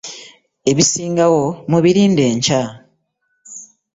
Ebisingako wano mubirinde enkya.